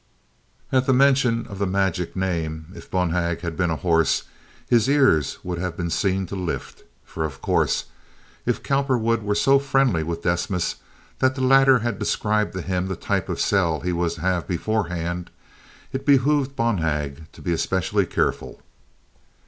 At the mention of the magic name, if Bonhag had been a horse, his ears would have been seen to lift. For, of course, if Cowperwood was so friendly with Desmas that the latter had described to him the type of cell he was to have beforehand, it behooved Bonhag to be especially careful.